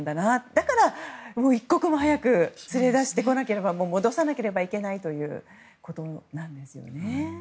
だから一刻も早く連れ出さなければいけない連れ戻さなければいけないということなんですよね。